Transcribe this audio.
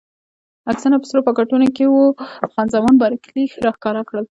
عکسونه په سرو پاکټو کې وو، خان زمان بارکلي راښکاره کړل.